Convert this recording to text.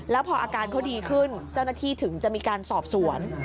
แล้วพออาการเขาดีขึ้นเจ้าหน้าที่ถึงจะมีการสอบสวน